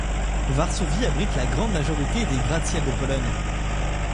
Varsovie abrite la grande majorité des gratte-ciel de Pologne.